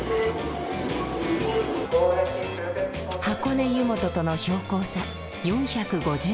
箱根湯本との標高差４５０ｍ。